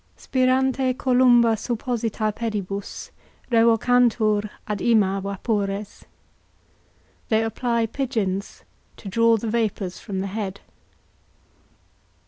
Spirante columba Supposita pedibus, revocantur ad ima vapores. _They apply pigeons, to draw the vapours from the head.